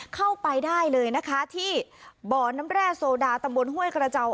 เข้าไปได้เลยนะคะที่บ่อน้ำแร่โซดาตำบลห้วยกระเจ้า